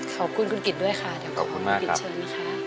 ขอบคุณมากครับ